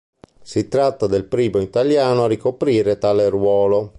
Si trattava del primo italiano a ricoprire tale ruolo.